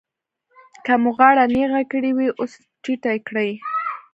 که مو غاړه نېغه کړې وي اوس ټیټه کړئ.